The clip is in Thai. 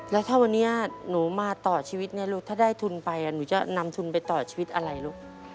แล้วถ้าวันนี้หนูมาต่อชีวิตเนี่ยลูกถ้าได้ทุนไปหนูจะนำทุนไปต่อชีวิตอะไรลูก